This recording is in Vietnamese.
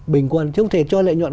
bình quân chứ không thể cho lợi nhuận